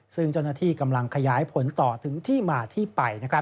ซึ่งเจ้าหน้าที่กำลังขยายผลต่อถึงที่มาที่ไป